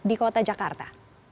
di kota jakarta